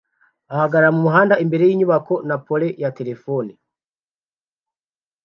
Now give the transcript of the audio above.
ahagarara mumuhanda imbere yinyubako na pole ya terefone